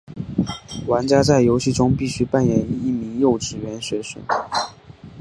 玩家在游戏中必须扮演一名幼稚园学生。